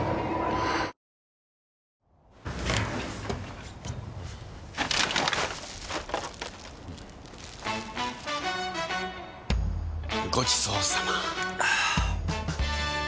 はぁごちそうさま！